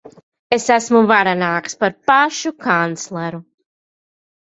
Es esmu varenāks par pašu kancleru.